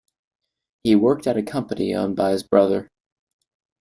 He worked at a company owned by his brother.